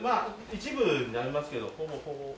一部になりますけどほぼほぼ。